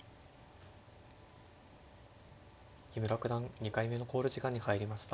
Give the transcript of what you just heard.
木村九段２回目の考慮時間に入りました。